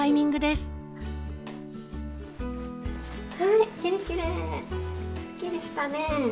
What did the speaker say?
すっきりしたね。